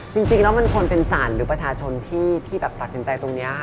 จริงแล้วมันคงเป็นศาลหรือประชาชนที่ตัดสินใจตรงเนี้ยค่ะ